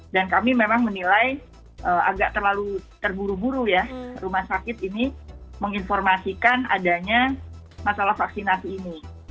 dan kami memang menilai agak terlalu terburu buru ya rumah sakit ini menginformasikan adanya masalah vaksinasi ini